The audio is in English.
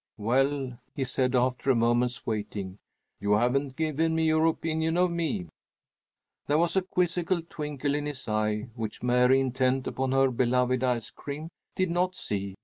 "Well," he said after a moment's waiting, "you haven't given me your opinion of me." There was a quizzical twinkle in his eye, which Mary, intent upon her beloved ice cream, did not see.